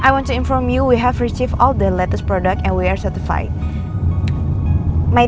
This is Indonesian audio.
saya ingin memberitahu kalian kami telah menerima semua produk terbaru dan kami sudah disertifikasi